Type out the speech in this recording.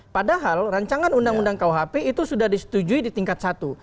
padahal rancangan undang undang kuhp itu sudah disetujui di tingkat satu